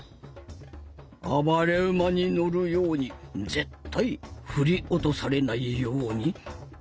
暴れ馬に乗るように絶対振り落とされないように。